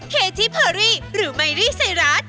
เคที่เผอรี่หรือไมรีสัยรัฐ